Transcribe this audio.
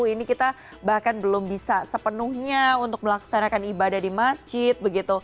ini kita bahkan belum bisa sepenuhnya untuk melaksanakan ibadah di masjid